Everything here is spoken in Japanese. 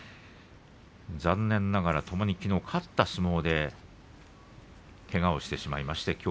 残念ながら、ともにきのう勝った相撲でけがをしてしまいました。